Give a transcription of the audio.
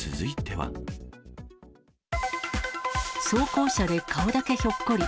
装甲車で顔だけひょっこり。